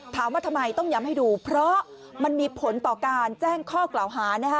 ถามว่าทำไมต้องย้ำให้ดูเพราะมันมีผลต่อการแจ้งข้อกล่าวหานะคะ